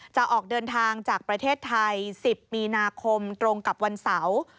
จะออกเดินทางจากประเทศไทย๑๐มีนาคมตรงกับวันเสาร์